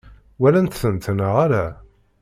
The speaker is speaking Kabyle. Walant-tent neɣ ala?